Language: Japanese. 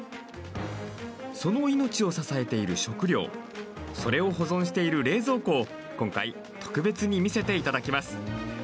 その命を支えている食料それを保存している冷蔵庫を今回、特別に見せていただきます。